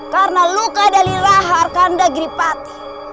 karena luka dari rahar kandagri pati